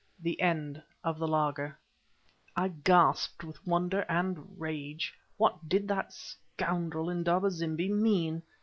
THE END OF THE LAAGER I gasped with wonder and rage. What did that scoundrel Indaba zimbi mean?